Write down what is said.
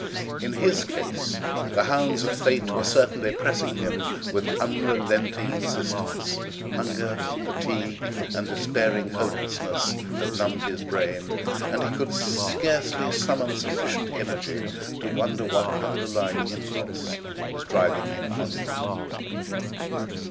In his case the hounds of Fate were certainly pressing him with unrelenting insistence; hunger, fatigue, and despairing hopelessness had numbed his brain, and he could scarcely summon sufficient energy to wonder what underlying impulse was driving him onward.